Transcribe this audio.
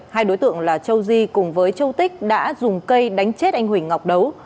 hai đối tượng là châu di cùng với châu tích đã dùng cây đánh chết anh huỳnh ngọc đấu